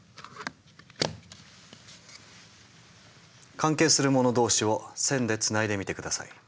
関係する者同士を線でつないでみて下さい。